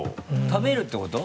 食べるってこと？